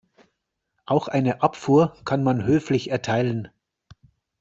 Auch eine Abfuhr kann man höflich erteilen.